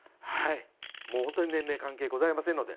もう本当に年齢関係ございませんので。